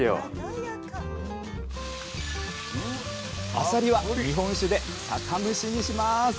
あさりは日本酒で酒蒸しにします